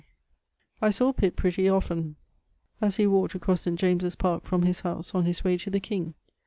443 I saw Pitt pretty often, as he walked across St. James's Park from his house, on his way to the king.